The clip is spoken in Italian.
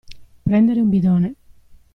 Prendere un bidone.